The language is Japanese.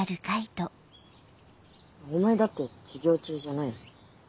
お前だって授業中じゃないの？